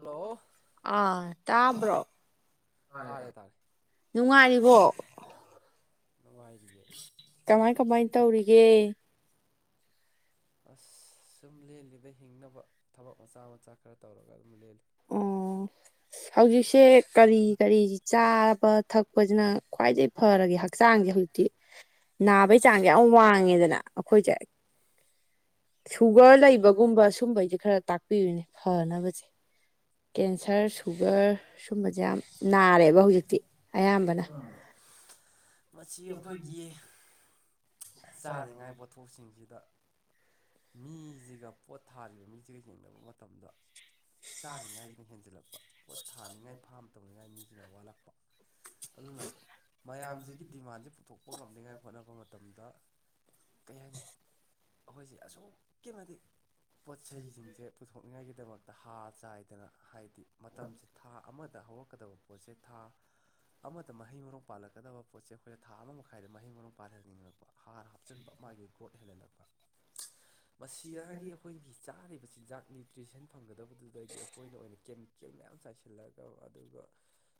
hello ꯑ ꯇꯥꯕ꯭ꯔꯣ ꯇꯥꯔꯦ ꯇꯥꯔꯦ ꯅꯨꯡꯉꯥꯏꯔꯤꯕꯣ ꯉꯏꯔꯤꯌꯦ ꯀꯃꯥꯏ ꯀꯃꯥꯏ ꯇꯧꯔꯤꯒꯦ ꯑꯁ ꯁꯨꯝ ꯂꯦꯜꯂꯤꯗ ꯍꯤꯡꯅꯕ ꯊꯕꯛ ꯃꯆꯥ ꯃꯆꯥ ꯈꯔ ꯇꯧꯔꯒ ꯑꯗꯨꯝ ꯂꯦꯜꯂꯤ ꯑꯣ ꯍꯧꯖꯤꯛꯁꯦ ꯀꯔꯤ ꯀꯔꯤ ꯆꯥꯕ ꯊꯛꯄ ꯄꯁꯤꯅ ꯈ꯭ꯋꯥꯏꯗꯒꯤ ꯐꯔꯒꯦ ꯍꯛꯆꯥꯡꯁꯦ ꯍꯧꯖꯤꯛꯇꯤ ꯅꯥꯕꯒꯤ ꯆꯥꯡꯁꯦ ꯌꯥꯝ ꯋꯥꯡꯉꯦꯗꯅ ꯑꯩꯈꯣꯏꯁꯦ ꯁꯨꯒꯔ ꯂꯩꯕꯒꯨꯝꯕ ꯁꯨꯝꯕꯩꯁꯦ ꯈꯔ ꯇꯥꯛꯄꯤꯌꯨꯅꯦ ꯐꯅꯕꯁꯦ ꯀꯦꯟꯁꯔ ꯁꯨꯒꯔ ꯁꯨꯝꯕꯁꯦ ꯌꯥꯝ ꯅꯥꯔꯦꯕ ꯍꯧꯖꯤꯛꯇꯤ ꯑꯌꯥꯝꯕꯅ ꯎꯝ ꯃꯁꯤ ꯑꯩꯈꯣꯏꯒꯤ ꯆꯥꯅꯤꯡꯉꯥꯏ ꯄꯣꯠꯊꯣꯛꯁꯤꯡꯁꯤꯗ ꯃꯤꯁꯤꯒ ꯄꯣꯠ ꯊꯥꯔꯤꯕ ꯃꯤꯁꯤꯒ ꯌꯦꯡꯅꯕ ꯃꯇꯝꯗ ꯆꯥꯅꯤꯡꯉꯥꯏꯁꯤꯅ ꯍꯦꯟꯖꯤꯜꯂꯛꯄ ꯄꯣꯠ ꯊꯥꯅꯤꯡꯉꯥꯏ ꯐꯥꯝ ꯇꯧꯅꯤꯡꯉꯥꯏ ꯃꯤꯁꯤꯅ ꯋꯥꯠꯂꯛꯄ ꯑꯗꯨꯅ ꯃꯌꯥꯝꯁꯤꯒꯤ ꯗꯤꯃꯥꯟꯁꯦ ꯄꯨꯊꯣꯛꯄ ꯉꯝꯅꯤꯉꯥꯏ ꯍꯣꯠꯅꯕ ꯃꯇꯝ ꯃꯇꯝꯗ ꯀꯔꯤ ꯍꯥꯏꯅꯤ ꯑꯩꯈꯣꯏꯁꯦ ꯑꯁꯨꯛꯀꯤ ꯃꯇꯤꯛ ꯄꯣꯠ ꯆꯩꯁꯤꯡꯁꯦ ꯄꯨꯊꯣꯛꯅꯤꯡꯉꯥꯏꯒꯤꯗꯃꯛꯇ ꯍꯥꯔ ꯆꯥꯏꯗꯅ ꯍꯥꯏꯗꯤ ꯃꯇꯝꯁꯦ ꯊꯥ ꯑꯃ ꯗ ꯍꯧꯔꯛꯀꯗꯕ ꯄꯣꯠꯁꯦ ꯊꯥ ꯑꯃꯗ ꯃꯍꯩ ꯃꯔꯣꯡ ꯄꯥꯜꯂꯀꯗꯕ ꯄꯣꯠꯁꯦ ꯑꯩꯈꯣꯏꯅ ꯊꯥ ꯑꯃ ꯃꯈꯥꯏꯗ ꯃꯍꯩ ꯃꯔꯣꯡ ꯄꯥꯜꯍ ꯍꯥꯔ ꯍꯥꯞꯆꯤꯟꯕ ꯃꯥꯒꯤ ꯒ꯭ꯔꯣꯠ ꯍꯦꯜꯍꯜꯂꯛꯄ ꯃꯁꯤꯗꯒꯤ ꯑꯩꯈꯣꯏꯒꯤ ꯆꯥꯔꯤꯕ ꯆꯤꯟꯖꯥꯛ ꯅ꯭ꯌꯨꯇ꯭ꯔꯤꯁꯟ ꯐꯪꯒꯗꯕꯗꯨꯗꯒꯤ ꯑꯩꯈꯣꯏꯅ ꯑꯣꯏꯅ ꯀꯦꯃꯤꯀꯦꯜ ꯃꯌꯥꯝ ꯆꯥꯏꯁꯤꯜꯂꯒ ꯑꯗꯨꯒ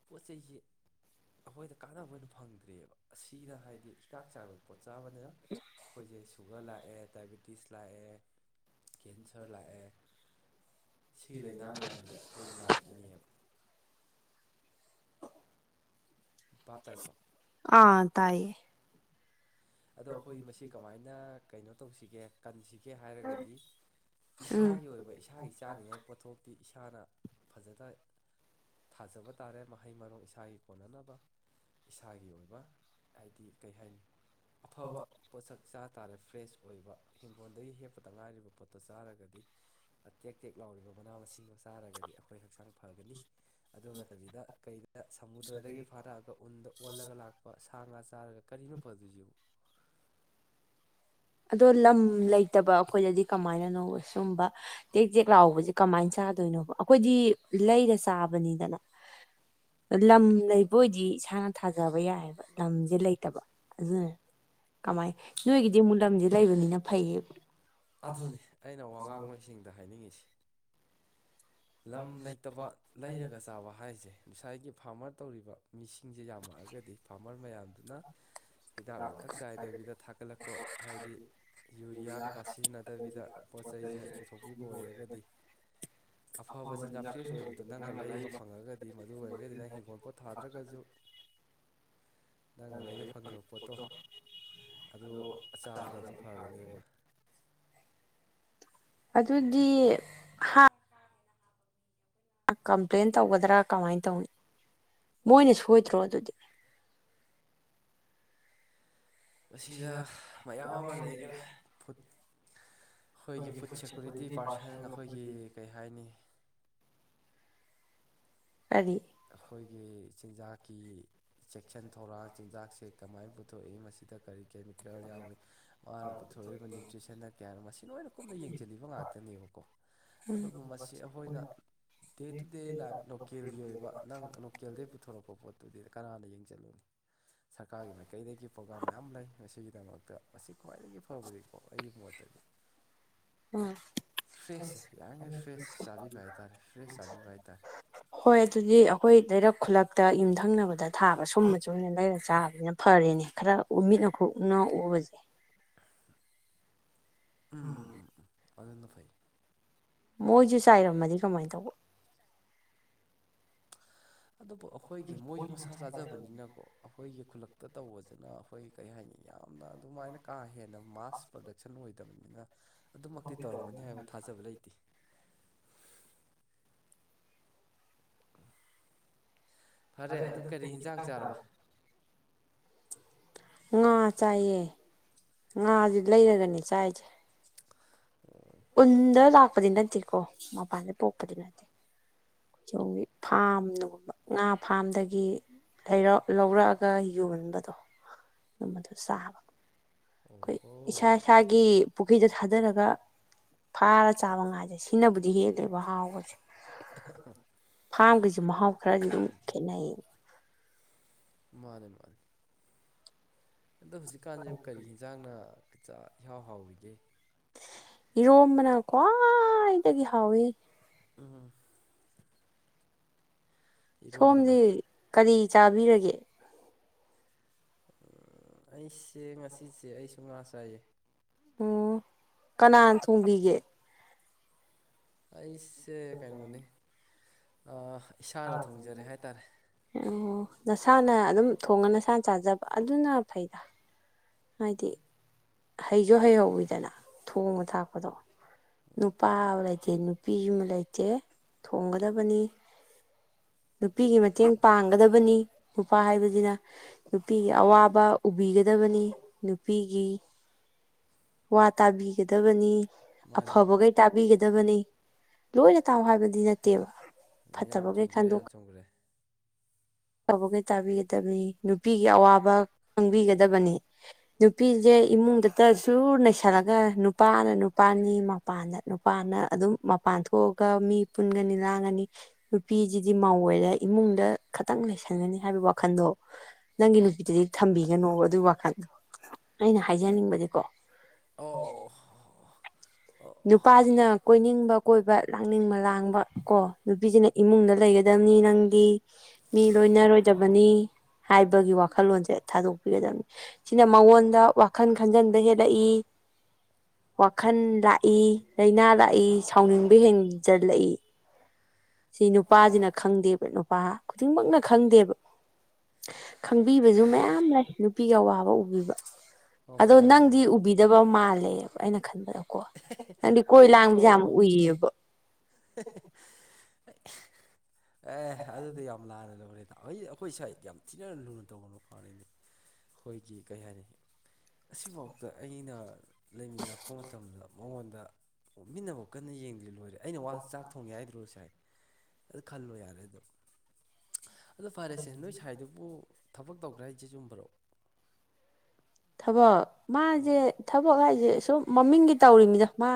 ꯄꯣꯠ ꯆꯩꯁꯤ ꯑꯩꯈꯣꯏꯗ ꯀꯥꯟꯅꯕ ꯑꯣꯏꯅ ꯐꯪꯗ꯭ꯔꯦꯕ ꯑꯁꯤꯗ ꯍꯥꯏꯗꯤ ꯍꯤꯗꯥꯛ ꯆꯥꯕ ꯄꯣꯠ ꯆꯥꯕꯅꯤꯅ ꯑꯩꯈꯣꯏꯁꯦ ꯁꯨꯒꯔ ꯂꯥꯛꯑꯦ ꯗꯥꯏꯕꯦꯇꯤꯁ ꯂꯥꯛꯑꯦ ꯀꯦꯟꯁꯔ ꯂꯥꯛꯑꯦ ꯁꯤꯒꯤ ꯂꯥꯏꯅꯥ ꯃꯌꯥꯝꯁꯦ ꯑꯩꯈꯣꯏꯗ ꯅꯥꯔꯛꯏꯅꯦꯕ ꯚꯥꯞ ꯇꯥꯏꯀꯣ ꯑꯥ ꯇꯥꯏꯌꯦ ꯑꯗꯣ ꯑꯩꯈꯣꯏ ꯃꯁꯤ ꯀꯃꯥꯏꯅ ꯀꯩꯅꯣ ꯇꯧꯁꯤꯒꯦ ꯀꯟꯁꯤꯒꯦ ꯀꯦ ꯍꯥꯏꯔꯒꯗꯤ ꯎꯝ ꯏꯁꯥꯒꯤ ꯑꯣꯏꯕ ꯏꯁꯥꯒꯤ ꯆꯥꯅꯤꯡꯉꯥꯏ ꯄꯣꯠꯊꯣꯛꯇꯤ ꯏꯁꯥꯅ ꯐꯖꯅ ꯊꯥꯖꯕ ꯇꯥꯔꯦ ꯃꯍꯩ ꯃꯔꯣꯡ ꯏꯁꯥꯒꯤ ꯀꯣꯟꯅꯅꯕ ꯏꯁꯥꯒꯤ ꯑꯣꯏꯕ ꯍꯥꯏꯗꯤ ꯀꯩ ꯍꯥꯏꯅꯤ ꯑꯐꯕ ꯄꯣꯠꯁꯛ ꯆꯥ ꯇꯥꯔꯦ ꯐ꯭ꯔꯦꯁ ꯑꯣꯏꯕ ꯍꯤꯡꯒꯣꯜꯗꯒꯤ ꯍꯦꯛꯄꯗ ꯉꯥꯏꯔꯤꯕ ꯄꯣꯠꯇꯣ ꯆꯥꯔꯒꯗꯤ ꯇꯦꯛ ꯇꯦꯛ ꯂ ꯃꯅꯥ ꯃꯁꯤꯡꯗꯣ ꯆꯥꯔꯒꯗꯤ ꯑꯩꯈꯣꯏ ꯍꯛꯆꯥꯡ ꯐꯒꯅꯤ ꯑꯗꯨ ꯅꯠꯇꯕꯤꯗ ꯑꯗ ꯁꯃꯨꯗ꯭ꯔꯗꯒꯤ ꯐꯥꯔꯛꯑꯒ ꯎꯟꯗ ꯑꯣꯜꯂꯒ ꯂꯥꯛꯄ ꯁꯥ ꯉꯥ ꯆꯥꯔꯒ ꯀꯔꯤꯅꯣ ꯐꯗꯨꯏꯁꯤ ꯑꯗꯣ ꯂꯝ ꯂꯩꯇꯕ ꯑꯩꯈꯣꯏꯅꯗꯤ ꯀꯃꯥꯏꯅꯣ ꯁꯨꯝꯕ ꯇꯦꯛ ꯇꯦꯛ ꯂꯥꯎꯕꯁꯦ ꯀꯃꯥꯏꯅ ꯆꯥꯗꯣꯏꯅꯣꯕ ꯑꯩꯈꯣꯏꯗꯤ ꯂꯩꯒ ꯆꯥꯕ ꯐꯕꯅꯤꯗꯅ ꯂꯝ ꯂꯩꯕ ꯑꯣꯏꯗꯤ ꯏꯁꯥꯅ ꯊꯥꯖꯕ ꯌꯥꯏꯑꯕ ꯂꯝꯁꯦ ꯂꯩꯇꯕ ꯑꯗꯨꯅꯦ ꯀꯃꯥꯏ ꯅꯣꯏꯒꯤꯗꯤ ꯃꯨꯂꯝꯗꯤ ꯂꯩꯕꯅꯤꯅ ꯐꯩꯌꯦꯕ ꯑꯗꯨꯅꯤ ꯑꯩꯅ ꯋꯥꯉꯥꯡꯂꯣꯏꯁꯤꯡꯗ ꯍꯥꯏꯅꯤꯡꯉꯁꯤ ꯂꯝ ꯂꯩꯇꯕ ꯂꯩꯔꯒ ꯆꯥꯕ ꯍꯥꯏꯁꯦ ꯉꯁꯥꯏꯒꯤ ꯐꯥꯔꯃꯔ ꯇꯧꯔꯤꯕ ꯃꯤꯁꯤꯡꯁꯦ ꯌꯥꯝꯃꯛꯑꯒꯗꯤ ꯐꯥꯔꯃꯔ ꯃꯌꯥꯝꯗꯨꯅ ꯍꯤꯗꯥꯛ ꯂꯥꯡꯊꯛ ꯆꯥꯏꯗꯕꯤꯗ ꯊꯥꯒꯠꯂꯛꯄ ꯍꯥꯏꯗꯤ ꯌꯨꯔꯤꯌꯥ ꯀꯩꯀꯥ ꯁꯤꯖꯤꯟꯅꯗꯕꯤꯗ ꯄꯣꯠ ꯆꯩꯁꯦ ꯄꯨꯊꯣꯛꯄꯤꯕ ꯑꯣꯏꯔꯒꯗꯤ [inaudible] ꯑꯐꯕ ꯑꯄꯥꯕꯖꯦ [inaudible] ꯆꯤꯟꯖꯥꯛ ꯐ꯭ꯔꯦꯁ ꯑꯣꯏꯕꯗꯣ ꯅꯪꯅ ꯂꯩꯕ ꯐꯪꯉꯒꯗꯤ ꯃꯗꯨ ꯑꯣꯏꯔꯒꯗꯤ ꯅꯪ ꯅꯪꯅꯥ ꯂꯩꯕ ꯐꯪꯕ ꯄꯣꯠꯇꯣ ꯑꯗꯨꯗ ꯑꯆꯥꯕꯗ ꯑꯗꯨꯝ ꯐꯒꯅꯦꯕ ꯑꯗꯨꯒꯤ ꯅꯍꯥꯛ ꯀꯝꯄ꯭ꯂꯦꯟ ꯇꯧꯒꯗ꯭ꯔꯥ ꯀꯃꯥꯏꯅ ꯇꯧꯅꯤ ꯃꯣꯏꯅ ꯁꯣꯏꯗ꯭ꯔꯣ ꯑꯗꯨꯗꯤ ꯃꯁꯤꯗ ꯃꯌꯥꯝ ꯑꯃ ꯂꯩꯈꯔꯦ ꯑꯩꯈꯣꯏꯒꯤ ꯐꯨꯗ ꯁꯦꯀꯨꯔꯤꯇꯤ ꯄꯥꯔꯁꯟ ꯑꯩꯈꯣꯏꯒꯤ ꯀꯩ ꯍꯥꯏꯅꯤ ꯀꯔꯤ ꯑꯩꯈꯣꯏꯒꯤ ꯆꯤꯟꯖꯥꯛꯀꯤ ꯆꯦꯛꯁꯤꯟ ꯊꯧꯔꯥꯡ ꯆꯤꯟꯖꯥꯛꯁꯦ ꯀꯃꯥꯏꯅ ꯄꯨꯊꯣꯛꯏ ꯃꯁꯤꯗ ꯀꯔꯤ ꯀꯦꯃꯤꯀꯦꯜ ꯌꯥꯎꯏ ꯃꯥꯅꯊꯣꯔꯏ ꯅ꯭ꯌꯨꯇ꯭ꯔꯤꯁꯟꯅ ꯀꯌꯥꯅꯣ ꯃꯁꯤ ꯂꯣꯏꯅ ꯀꯨꯞꯅ ꯌꯦꯡꯁꯤꯜꯂꯤꯕ ꯉꯥꯛꯇꯅꯦꯕꯀꯣ ꯑꯗꯨꯕꯨ ꯃꯁꯤ ꯑꯩꯈꯣꯏꯅ ꯗꯦ ꯇꯨ ꯗꯦ ꯂꯥꯏꯐ ꯂꯣꯀꯦꯜꯒꯤ ꯑꯣꯏꯕ ꯅꯪ ꯂꯣꯀꯦꯜꯗꯒꯤꯩ ꯄꯨꯊꯣꯔꯛꯄ ꯄꯣꯠꯇꯨꯗꯤ ꯀꯅꯥꯅ ꯌꯦꯡꯁꯤꯜꯂꯨꯅꯤ ꯁꯔꯀꯥꯔꯒꯤ ꯃꯥꯏꯀꯩꯗꯒꯤ ꯄ꯭ꯔꯣꯒꯥꯥꯝ ꯃꯌꯥꯝ ꯂꯩ ꯃꯁꯤꯒꯤꯗꯃꯛ ꯃꯁꯤ ꯈ꯭ꯋꯥꯏꯗꯒꯤ ꯐꯕꯗꯤꯀꯣ ꯑꯩꯒꯤ ꯃꯣꯠꯇꯗꯤ ꯐ꯭ꯔꯦꯁꯁꯦ ꯑꯝ ꯌꯥꯔꯤꯈꯩ ꯐ꯭ꯔꯦꯁ ꯆꯥꯕꯤꯕ ꯍꯥꯏꯇꯥꯔꯦ ꯐ꯭ꯔꯦꯁ ꯆꯥꯕꯤꯕ ꯍꯥꯏꯇꯥꯔꯦ ꯍꯣꯏ ꯑꯗꯨꯗꯤ ꯍꯣꯏ ꯂꯩꯔꯛ ꯈꯨꯂꯛꯇ ꯌꯨꯝꯊꯪꯅꯕꯗ ꯊꯥꯕ ꯁꯨꯝꯕꯁꯨ ꯑꯣꯏꯅ ꯂꯩꯔꯛ ꯆꯥꯕꯅꯤꯅ ꯐꯔꯦꯅꯦ ꯈꯔ ꯎ ꯃꯤꯠ ꯅꯈꯣꯛꯅ ꯎꯕꯁꯦ ꯎꯝ ꯑꯗꯨꯅ ꯐꯩ ꯃꯣꯏꯁꯨ ꯆꯥꯏꯔꯝꯃꯗꯤ ꯀꯃꯥꯏꯅ ꯇꯧꯕ ꯑꯗꯨꯕꯨ ꯑꯩꯈꯣꯏꯒꯤ ꯃꯣꯏꯁꯨ ꯃꯁꯥ ꯆꯥꯖꯕꯅꯤꯅꯀꯣ ꯑꯩꯈꯣꯏꯒꯤ ꯈꯨꯜꯂꯛꯇ ꯇꯧꯕꯁꯤꯅ ꯑꯩꯈꯣꯏ ꯀꯩ ꯍꯥꯏꯅꯤ ꯌꯥꯝꯅ ꯑꯗꯨꯃꯥꯏꯅ ꯀꯥ ꯍꯦꯟꯅ ꯃꯥꯁ ꯄ꯭ꯔꯗꯛꯁꯟ ꯑꯣꯏꯗꯕꯅꯤ ꯑꯗꯨ ꯑꯗꯨꯃꯛꯇꯤ ꯇꯧꯔꯝꯒꯅꯤ ꯍꯥꯏꯕ ꯊꯥꯖꯕ ꯂꯩꯇꯦ ꯐꯔꯦ ꯑꯗꯨ ꯀꯔꯤ ꯌꯦꯟꯁꯥꯡ ꯆꯥꯔꯕ ꯉꯥ ꯆꯥꯏꯌꯦ ꯉꯥꯁ ꯂꯩꯔꯒꯅꯦ ꯆꯥꯏꯁꯦ ꯎ ꯎꯗ ꯂꯥꯛꯄꯗꯤ ꯅꯠꯇꯦꯀꯣ ꯃꯄꯥꯟꯗ ꯄꯣꯛꯄꯗꯤ ꯅꯠꯇꯦ ꯤ ꯐꯥꯝꯅꯒꯨꯝꯕ ꯉꯥ ꯐꯥꯝꯗꯒꯤ ꯔ ꯂꯧꯔꯛꯑꯒ ꯌꯣꯟꯕꯗꯣ ꯑꯗꯨꯝꯕꯗꯨ ꯆꯥꯕ ꯑꯩꯈꯣꯏ ꯏꯁꯥ ꯑꯣꯍꯣ ꯏꯁꯥꯒꯤ ꯄꯨꯈ꯭ꯔꯤꯗ ꯊꯥꯗꯔꯒ ꯐꯥꯔ ꯆꯥꯕ ꯉꯥꯁꯦ ꯁꯤꯅꯕꯨꯗꯤ ꯍꯦꯜꯂꯦꯕ ꯍꯥꯎꯕꯁꯦ ꯐꯥꯝꯒꯤꯁꯨ ꯃꯍꯥꯎ ꯈꯔꯗꯤ ꯑꯗꯨꯝ ꯈꯦꯅꯩꯌꯦ ꯃꯥꯅꯦꯦ ꯃꯥꯅꯦꯦ ꯑꯗꯣ ꯍꯧꯖꯤꯛꯀꯥꯟꯁꯦ ꯀꯔꯤ ꯌꯦꯟꯖꯥꯡꯅ ꯀꯆꯥꯥꯛ ꯏꯍꯥꯎ ꯍꯥꯎꯔꯤꯒꯦ ꯏꯔꯣꯝꯕꯅ ꯈ꯭ꯋꯥꯏꯗꯒꯤ ꯍꯥꯎꯋꯤ ꯎꯝ ꯏꯔꯣꯝꯕꯅ ꯁꯣꯝꯗꯤ ꯀꯔꯤ ꯆꯥꯕꯤꯔꯒꯦ ꯑꯩꯁꯦ ꯉꯁꯤꯁꯦ ꯑꯩꯁꯨ ꯉꯥ ꯆꯥꯏꯌꯦ ꯑꯣ ꯀꯅꯥ ꯊꯣꯡꯕꯤꯒꯦ ꯑꯩꯁꯦ ꯀꯩꯅꯣꯅꯤ ꯑ ꯑꯣ ꯅꯁꯥꯅ ꯑꯗꯨꯝ ꯊꯣꯡꯉ ꯅꯁꯥꯅ ꯆꯥꯖꯕ ꯑꯗꯨꯅ ꯐꯩꯗ ꯍꯥꯏꯗꯤ ꯍꯩꯁꯨ ꯍꯩꯍꯧꯋꯤꯗꯅ ꯊꯣꯡꯉ ꯊꯥꯛꯄꯗꯣ ꯅꯨꯄꯥ ꯂꯩꯇꯦ ꯅꯨꯄꯤ ꯑꯃ ꯂꯩꯇꯦ ꯊꯣꯡꯒꯗꯕꯅꯤ [inaudible] ꯅꯨꯄꯤꯒꯤ ꯃꯇꯦꯡ ꯄꯥꯡꯒꯗꯕꯅꯤ ꯅꯨꯄꯥ ꯍꯥꯏꯕꯁꯤꯅ ꯅꯨꯄꯤꯒꯤ ꯑꯋꯥꯕ ꯎꯕꯤꯒꯗꯕ ꯅꯨꯄꯤꯒꯤ ꯋꯥ ꯇꯥꯕꯤ ꯗꯕꯅꯤ ꯃꯥꯅꯦ ꯃꯥꯅꯦ ꯑꯐꯕꯈꯩ ꯇꯥꯕꯤꯒꯗꯕꯅꯤ ꯂꯣꯏꯅ ꯇꯥꯎ ꯍꯥꯏꯕꯗꯤ ꯅꯠꯇꯦꯕ ꯌꯥꯝ ꯐꯠꯇꯕꯈꯩ ꯆꯨꯝꯈ꯭ꯔꯦ ꯈꯟꯗꯣꯛ ꯌꯥꯝ ꯆꯨꯝꯈ꯭ꯔꯦ ꯇꯧꯕꯈꯩ ꯇꯥꯕꯤꯒꯗꯕꯅꯤ ꯅꯨꯄꯤꯒꯤ ꯑꯋꯥꯕ ꯈꯪꯕꯤꯒꯗꯕꯅꯤ ꯅꯨꯄꯤꯁꯦ ꯏꯃꯨꯡꯗꯇ ꯁꯨꯔ ꯅꯩꯁꯜꯂꯒ ꯅꯨꯄꯥꯅ ꯅꯨꯄꯥꯅꯤ ꯃꯄꯥꯟꯗ ꯅꯨꯄꯥꯅ ꯑꯗꯨꯝ ꯃꯄꯥꯟ ꯊꯣꯛꯑꯒ ꯃꯤ ꯄꯨꯟꯒꯅꯤ ꯂꯥꯡꯒꯅꯤ ꯅꯨꯄꯤꯁꯤꯗꯤ ꯃꯧ ꯑꯣꯏꯔꯦ ꯏꯃꯨꯡꯗ ꯈꯥꯠ ꯈꯤꯇꯪ ꯂꯩꯁꯟꯒꯅꯤ ꯍꯥꯏꯕꯒꯤ ꯋꯥꯈꯟꯗꯣ ꯅꯪꯒꯤ ꯅꯨꯄꯤꯗꯗꯤ ꯊꯝꯕꯤ ꯒꯅꯣꯕ ꯑꯗꯨꯒꯤ ꯋꯥꯈꯜꯗꯣ ꯑꯩꯅ ꯍꯥꯏꯖꯅꯤꯡꯕꯗꯤꯀꯣ ꯑꯣ ꯑꯣ ꯅꯨꯄꯥꯁꯤꯅ ꯀꯣꯏꯅꯤꯡꯕ ꯀꯣꯏꯕ ꯂꯥꯡꯅꯤꯡꯕ ꯂꯥꯡꯕ ꯀꯣ ꯅꯨꯄꯤꯁꯤꯅ ꯏꯃꯨꯡꯗ ꯂꯩꯒꯗꯕ ꯅꯪꯗꯤ ꯃꯤ ꯂꯣꯏꯅꯔꯣꯏꯗꯕꯅꯤ ꯍꯥꯏꯕꯒꯤ ꯋꯥꯈꯜꯂꯣꯟꯁꯦ ꯊꯥꯗꯣꯛꯄꯤꯒꯗꯕꯅꯤ ꯁꯤꯅ ꯃꯉꯣꯟꯗ ꯋꯥꯈꯜ ꯈꯟꯖꯟꯕ ꯍꯦꯜꯂꯛꯏ ꯋꯥꯈꯜ ꯂꯥꯛ ꯂꯥꯏꯅꯥ ꯂꯥꯛꯏ ꯁꯥꯎꯅꯤꯡꯕ ꯍꯦꯟꯖꯜꯂꯛꯏ ꯁꯤ ꯅꯨꯄꯥꯁꯤꯅ ꯈꯪꯗꯦꯕ ꯅꯨꯄꯥ ꯈꯨꯗꯤꯡꯃꯛꯅ ꯈꯪꯗꯦꯕ ꯈꯪꯕꯤꯕꯁꯨ ꯃꯌꯥꯝ ꯂꯩ ꯅꯨꯄꯤꯒꯤ ꯑꯋꯥꯕ ꯎꯕꯤꯕ ꯑꯣ ꯑꯗꯣ ꯍꯣꯏ ꯍꯣꯏ ꯅꯪꯗꯤ ꯍꯣꯏ ꯎꯕꯤꯗꯕ ꯃꯥꯜꯂꯦꯕ ꯑꯩꯅ ꯈꯟꯕꯗ ꯀꯣ ꯅꯪꯗꯤ ꯀꯣꯏ ꯑꯩꯗꯤꯀꯣ ꯂꯥꯡꯕꯁꯦ ꯌꯥꯝ ꯎꯏꯌꯦꯕ ꯑꯦ ꯑ ꯑꯗꯨꯗꯤ ꯌꯥꯝ ꯂꯥꯅ ꯎꯔꯤꯗ ꯑꯩ ꯑꯩꯈꯣꯏ ꯁꯥꯏꯗ ꯌꯥꯝ ꯊꯤꯅ ꯂꯨꯅ ꯇꯧꯕ ꯅꯨꯄꯥꯅꯤꯅꯩ ꯑꯩꯈꯣꯏꯒꯤ ꯀꯩ ꯍꯥꯏꯅꯤ ꯑꯁꯤꯐꯥꯎꯗ ꯑꯩꯅ ꯂꯩꯃꯤꯟꯅꯂꯛꯄ ꯃꯇꯝꯗ ꯃꯇꯝꯗ ꯃꯉꯣꯟꯗ ꯃꯤꯠꯅꯕꯨ ꯀꯟꯅ ꯌꯦꯡꯗ꯭ꯔꯤ ꯂꯣꯏꯔꯦ ꯑꯩꯅ ꯋꯥ ꯆꯥꯛ ꯊꯣꯡꯉꯦ ꯍꯥꯏꯗ꯭ꯔꯣ ꯉꯁꯥꯏ ꯑꯗꯨ ꯈꯜꯂꯣ ꯌꯥꯔꯦ ꯑꯗꯨꯝ ꯑꯗꯣ ꯐꯔꯦꯁꯦ ꯅꯣꯏ ꯁ꯭ꯥꯏꯗꯨꯕꯨ ꯊꯕꯛ ꯇꯧꯗ꯭ꯔꯦ ꯍꯥꯏꯁꯦ ꯆꯨꯝꯕꯔꯣ ꯊꯕꯛ ꯃꯥꯁꯦ ꯊꯕꯛ ꯍꯥꯏꯁꯦ ꯁꯨꯝ ꯃꯃꯤꯡꯒꯤ ꯇꯧꯔꯤꯅꯤꯗ ꯃꯥ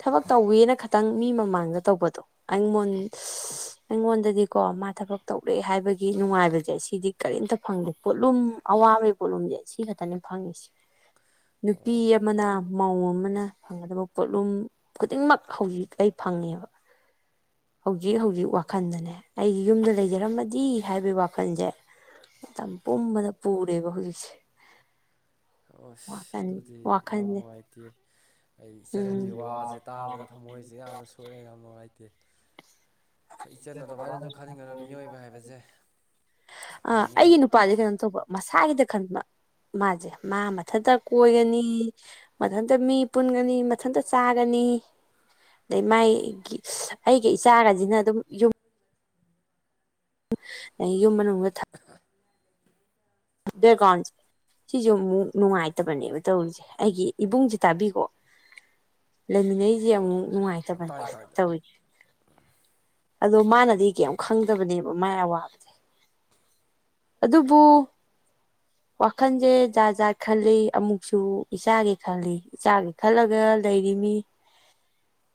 ꯊꯕꯛ ꯇꯧꯋꯦꯅ ꯈꯇꯪ ꯃꯤ ꯃꯃꯥꯡꯗ ꯇꯧꯕꯗꯣ ꯑꯩꯉꯣꯟ ꯑꯩꯉꯣꯟꯗꯗꯤꯀꯣ ꯃꯥ ꯊꯕꯛ ꯇꯧꯔꯦ ꯍꯥꯏꯕꯒꯤ ꯅꯨꯡꯉꯥꯏꯕꯁꯦ ꯑꯩ ꯁꯤꯗꯤ ꯀꯔꯤꯝꯇ ꯐꯪꯗꯦ ꯄꯣꯠꯂꯨꯝ ꯑꯋꯥꯕꯦ ꯄꯣꯠꯂꯨꯝꯁꯦ ꯁꯤ ꯈꯛꯇ ꯉꯇꯅꯤ ꯐꯪꯉꯁꯦ ꯅꯨꯄꯤ ꯑꯣ ꯑꯃꯅ ꯃꯧ ꯑꯃꯅ ꯐꯪꯒꯗꯕ ꯄꯣꯠꯂꯨꯝ ꯈꯨꯗꯤꯡꯃꯛ ꯍꯧꯖꯤꯛ ꯑꯩ ꯐꯪꯉꯦꯕ ꯍꯧꯖꯤꯛ ꯍꯧꯖꯤꯛ ꯋꯥꯈꯜꯗꯅꯦ ꯑꯩꯒꯤ ꯌꯨꯝꯗ ꯂꯩꯖꯔꯝꯃꯗꯤ ꯍꯥꯏꯕꯒꯤ ꯋꯥꯈꯜꯁꯦ ꯃꯇꯝꯄꯨꯝꯕꯗ ꯄꯨꯔꯦꯕ ꯍꯧꯁꯦ ꯑꯁ ꯑꯗꯨꯗꯤ ꯌꯥꯝ ꯋꯥꯈꯜꯁꯦ ꯅꯨꯡꯉꯥꯏꯇꯦ ꯑꯩ ꯑꯥ ꯏꯆꯟꯒꯤ ꯋꯥꯁꯦ ꯇꯥꯕꯗ ꯊꯃꯣꯏꯁꯦ ꯌꯥꯝꯅ ꯁꯣꯛꯑꯦ ꯌꯥꯝ ꯅꯨꯡꯉꯥꯏꯇꯦ ꯍꯣꯏ ꯏꯆꯟ ꯑꯗꯨꯃꯥꯏꯅꯁꯨ ꯈꯟꯒꯅꯨ ꯃꯤꯑꯣꯏꯕ ꯍꯥꯏꯕꯁꯦ [unintelligible] ꯑ ꯀꯩꯅꯤ ꯑꯩꯒꯤ ꯅꯨꯄꯥꯁꯦ ꯀꯩꯅꯣ ꯇꯧꯕ ꯃꯁꯥꯒꯤꯗ ꯈꯟꯕ ꯃꯥꯁꯦ ꯃꯥ ꯃꯊꯟꯇ ꯀꯣꯏꯒꯅꯤ ꯃꯊꯟꯇ ꯃꯤ ꯄꯨꯟꯒꯅꯤ ꯃꯊꯟꯇ ꯆꯥꯒꯅꯤ ꯑꯗꯩ ꯃꯥꯥꯏꯒꯤ ꯑꯩꯒꯤ ꯏꯆꯥꯒꯁꯤꯅ ꯑꯗꯨꯝ ꯌꯨꯝ ꯑꯩ ꯌꯨꯝ ꯃꯅꯨꯡꯗ ꯊꯝ ꯗꯦꯀꯣꯟꯁ ꯁꯤꯁꯨ ꯑꯃꯨꯛ ꯅꯨꯡꯉꯥꯏꯇꯕꯅꯦꯕ ꯇꯧꯔꯤꯁꯦ ꯑꯩꯒꯤ ꯏꯕꯨꯡꯁꯦ ꯇꯥꯕꯤꯀꯣ ꯂꯩꯃꯤꯟꯅꯩꯁꯦ ꯑꯃꯨꯛ ꯅꯨꯡꯉꯥꯏꯇꯕꯅꯦ ꯇꯥꯏ ꯇꯥꯏ ꯇꯧꯏꯁꯦ ꯑꯗꯣ ꯃꯥꯅꯗꯤ ꯀꯩꯝ ꯈꯪꯗꯕꯅꯦꯕ ꯃꯥꯥꯏ ꯑꯋꯥꯕꯁꯦ ꯑꯗꯨꯕꯨ ꯋꯥꯈꯜꯁꯦ ꯖꯥꯠ ꯖꯥꯠ ꯈꯜꯂꯤ ꯑꯃꯨꯛꯁꯨ ꯏꯆꯥꯒꯤ ꯈꯜꯂꯤ ꯏꯆꯥꯒꯤ ꯈꯜꯂꯒ ꯂꯩꯔꯤꯃꯤ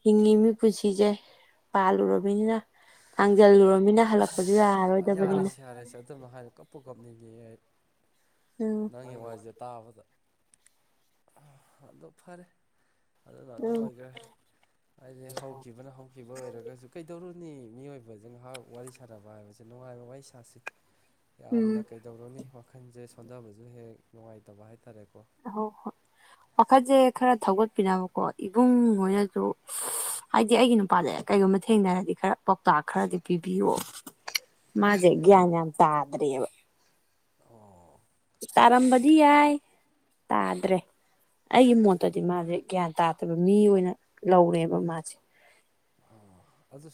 ꯍꯤꯡꯉꯃꯤ ꯄꯨꯟꯁꯤꯁꯦ ꯄꯥꯜꯂꯨꯔꯕ ꯅꯤꯅ ꯊꯪꯖꯜ ꯂꯨꯔ ꯑꯁ ꯌꯥꯔꯦꯁꯦ ꯌꯥꯔꯁꯦ ꯑꯗꯨꯝꯃ ꯍꯥꯏꯔꯣ ꯀꯞꯄꯨ ꯀꯞꯅꯤꯡꯉꯤ ꯑꯩ ꯎꯝ ꯅꯪꯒꯤ ꯋꯥꯁꯦ ꯇꯥꯕꯗ ꯑꯗꯣ ꯐꯔꯦ ꯑꯗꯨꯅ ꯑꯗꯨꯝ ꯑꯣꯏꯈ꯭ꯔꯦ ꯍꯥꯏꯗꯤ ꯍꯧꯈꯤꯕꯅ ꯍꯧꯈꯤꯕ ꯑꯣꯏꯔꯒꯁꯨ ꯀꯩꯗꯧꯔꯨꯅꯤ ꯅꯤ ꯃꯤꯑꯣꯏꯕꯁꯤꯡꯍꯥꯛ ꯋꯥꯔꯤ ꯁꯥꯟꯅꯕ ꯍꯥꯏꯕꯁꯦ ꯅꯨꯡꯉꯥꯏꯕ ꯋꯥꯔꯤ ꯁꯥꯁꯤ ꯎꯝ ꯌꯥꯝꯅ ꯀꯩꯗꯧꯔꯅꯤ ꯋꯥꯈꯟꯁꯦ ꯁꯣꯟꯊꯕꯁꯨ ꯍꯦꯛ ꯅꯨꯡꯉꯥꯏꯇꯕ ꯍꯥꯏꯇꯥꯔꯦꯀꯣ ꯍ ꯍꯣꯏ ꯋꯥꯈꯟꯖꯦ ꯈꯔ ꯊꯧꯒꯠꯄꯤꯅꯕꯀꯣ ꯏꯕꯨꯡꯉꯣꯏꯅꯁꯨ ꯍꯥꯏꯗꯤ ꯑꯩꯒꯤ ꯅꯨꯄꯥꯗ ꯀꯩꯒꯨꯝꯕ ꯊꯦꯡꯅꯔꯗꯤ ꯈꯔ ꯄꯥꯎꯇꯥꯛ ꯈꯔꯗꯤ ꯄꯤꯕꯤꯌꯣ ꯃꯥꯖꯦ ꯒ ꯭ꯌꯥ ꯌꯥꯝ ꯇꯗꯔꯦꯕ ꯑꯣ ꯇꯥꯔꯝꯕꯗꯤ ꯌꯥꯏ ꯇꯥꯗ꯭ꯔꯦ ꯑꯩꯒꯤ ꯃꯣꯠꯇꯗꯤ ꯃꯥꯁꯦ ꯒ꯭ꯌꯥꯟ ꯇꯥꯗꯕ ꯃꯤ ꯑꯣꯏꯅ ꯂꯧꯔꯦꯕ ꯃꯥꯁꯦ [inaudible] ꯑꯥ ꯑꯗꯨ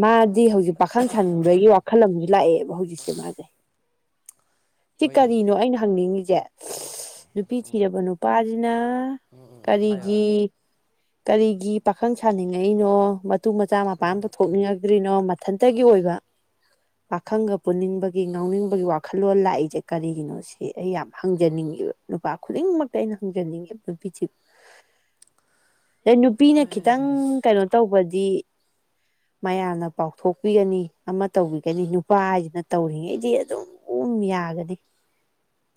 ꯃꯥꯗꯤ ꯍꯧꯖꯤꯛ ꯄꯥꯈꯪ ꯁꯟꯕꯒꯤ ꯋꯥꯈꯜ ꯑꯃꯁꯨ ꯂꯥꯛꯑꯦꯕ ꯍꯧꯖꯤꯛꯁꯦ ꯃꯥꯁꯦ ꯁꯤ ꯍꯣꯏꯅꯦ ꯀꯔꯤꯅꯣ ꯑꯩꯅ ꯍꯪꯅꯤꯡꯉꯤꯁꯦ ꯅꯨꯄꯤ ꯎꯝ ꯊꯤꯔꯕ ꯅꯨꯄꯥꯁꯤꯅ ꯎꯝ ꯎꯝ ꯎꯝ ꯍꯥꯏꯌꯣ ꯍꯥꯏꯌꯣ ꯀꯔꯤꯒꯤ ꯀꯔꯤꯒꯤ ꯄꯥꯈꯪ ꯁꯥꯅꯤꯡꯉꯛꯏꯅꯣ ꯃꯇꯨ ꯃꯆꯥ ꯃꯄꯥ ꯎꯝ ꯑꯗ ꯎꯝ ꯎꯝ ꯀꯣꯛꯅꯤꯡꯉꯛꯇ꯭ꯔꯤꯅꯣ ꯃꯊꯟꯇꯒꯤ ꯑꯣꯏꯕ ꯄꯥꯈꯪꯒ ꯄꯨꯅꯤꯡꯕꯒꯤ ꯉꯥꯎꯅꯤꯡꯕꯒꯤ ꯋꯥꯈꯜꯂꯣꯟ ꯂꯥꯛꯏꯁꯦ ꯀꯔꯤꯒꯤꯅꯣ ꯁꯤ ꯑꯩ ꯌꯥꯝ ꯍꯪꯖꯅꯤꯡꯉꯤ ꯅꯨꯄꯥ ꯈꯨꯗꯤꯡꯃꯛꯇ ꯑꯩꯅ ꯍꯪꯖꯅꯤꯡꯉꯤ ꯅꯨꯄꯤꯁꯤ ꯑꯗꯩ ꯅꯨꯄꯤꯅ ꯈꯤꯇꯪ ꯍꯣꯏ ꯀꯩꯅꯣ ꯇꯧꯕꯗꯤ ꯃꯌꯥꯝꯅ ꯄꯥꯎꯊꯣꯛꯄꯤꯒꯅꯤ ꯑꯃ ꯇꯧꯕꯤꯒꯅꯤ ꯅꯨꯄꯥ ꯍꯥꯏꯁꯤꯅ ꯇꯧꯔꯤꯉꯩꯗꯤ ꯑꯗꯨꯝ ꯀꯨꯝ ꯌꯥꯒꯅꯤ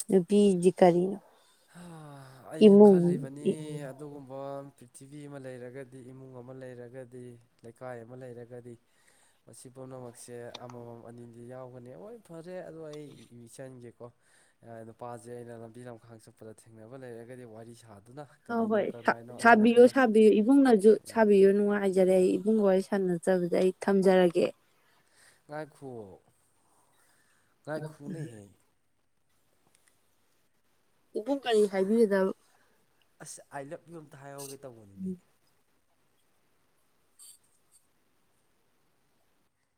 ꯅꯨꯄꯤꯗꯤ ꯀꯔꯤꯅꯣ ꯑꯩꯁꯨ ꯏꯃꯨꯡ ꯈꯜꯂꯤꯕꯅꯤ ꯍꯣꯏ ꯑꯗꯨꯒꯨꯝꯕ ꯄ꯭ꯊꯤꯚꯕꯤ ꯑꯃ ꯂꯩꯔꯒꯗꯤ ꯏꯃꯨꯡ ꯑꯃ ꯂꯩꯔꯒꯗꯤ ꯂꯩꯀꯥꯏ ꯑꯃ ꯂꯩꯔꯒꯗꯤ ꯃꯁꯤ ꯄꯨꯝꯅꯃꯛꯁꯦ ꯑꯃꯃꯝ ꯑꯅꯤꯗꯤ ꯌꯥꯎꯒꯅꯤ ꯍꯣꯏ ꯐꯔꯦ ꯑꯗꯣ ꯑꯩ ꯆꯟꯒꯦꯀꯣ ꯅꯨꯄꯥꯁꯦ ꯑꯩꯅ ꯂꯝꯕꯤ ꯂꯝꯈꯥꯡ ꯆꯠꯄꯗ ꯊꯦꯡꯅꯕ ꯂꯩꯔꯒꯗꯤ ꯋꯥꯔꯤ ꯁꯥꯗ ꯍ ꯍꯣꯏ ꯁꯥꯕꯤꯌꯣ ꯁꯥꯕꯤꯌꯨ ꯏꯕꯨꯡꯅꯁꯨ ꯁꯥꯕꯤꯌꯨ ꯅꯨꯡꯉꯥꯏꯖꯔꯦ ꯑꯩ ꯏꯕꯨꯡ ꯑꯣꯏꯔ ꯁꯪꯅꯖꯕꯗꯦ ꯑꯩ ꯊꯝꯖꯔꯒꯦ ꯉꯥꯏ ꯈ ꯉꯥꯏ ꯈꯨꯨꯅꯍꯦ ꯎꯕꯨꯡ ꯀꯔꯤ ꯍꯥꯏꯕꯤꯔꯤꯗ ꯑꯁ ꯑꯥꯏ ꯂꯞ ꯌꯨ ꯑꯝꯇ ꯍꯥꯏꯍꯧꯒꯦ ꯇꯧꯕꯅꯤꯅꯦ